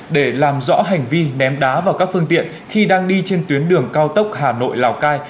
để làm rõ hành vi ném đá vào các phương tiện khi đang đi trên tuyến đường cao tốc hà nội lào cai